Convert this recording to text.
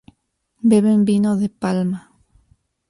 Beben vino de palma.